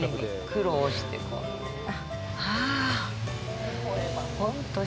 苦労して、こんな。